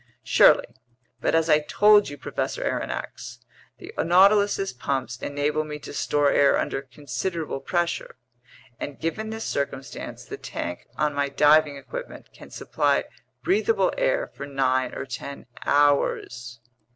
"Surely, but as I told you, Professor Aronnax, the Nautilus's pumps enable me to store air under considerable pressure, and given this circumstance, the tank on my diving equipment can supply breathable air for nine or ten hours."